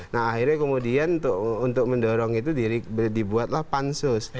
nah akhirnya kemudian untuk mendorong itu dibuatlah pansus